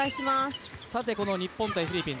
この日本×フィリピン。